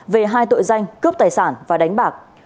về hai tội danh cướp tài sản và đánh bạc